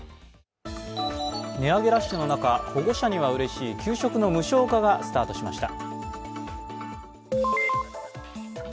値上げラッシュの中、保護者にはうれしい給食の無償化がスタートしました。